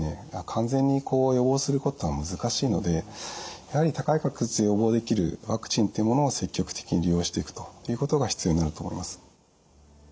完全に予防することは難しいのでやはり高い確率で予防できるワクチンっていうものを積極的に利用していくということが必要になると思います。